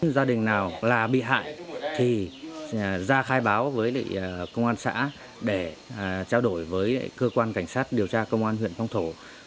gia đình nào là bị hại thì ra khai báo với công an xã để trao đổi với cơ quan cảnh sát điều tra công an huyện phong thổ